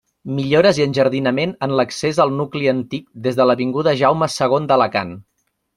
Millores i enjardinament en l'accés al nucli antic des de l'avinguda Jaume segon d'Alacant.